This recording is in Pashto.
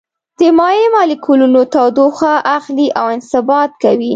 د مایع مالیکولونه تودوخه اخلي او انبساط کوي.